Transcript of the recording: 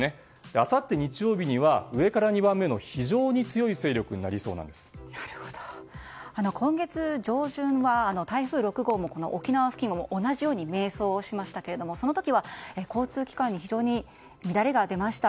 あさって日曜日には上から２番目の非常に強い勢力に今月上旬は台風６号も沖縄付近を同じように迷走をしましたけれどもその時は交通機関に非常に乱れが出ました。